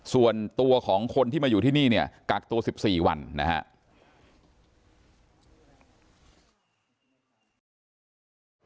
ส่วนตัวของคนที่มาอยู่ที่นี่เนี่ยกักตัว๑๔วันนะครับ